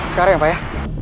sekarang ya pak ya